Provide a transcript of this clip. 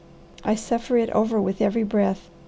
I suffer it over with every breath.